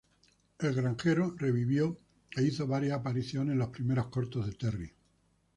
El granjero revivió e hizo varias apariciones en los primeros cortos de Terry.